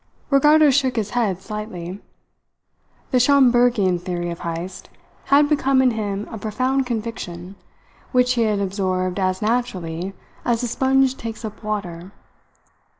Ricardo shook his head slightly. The Schombergian theory of Heyst had become in him a profound conviction, which he had absorbed as naturally as a sponge takes up water.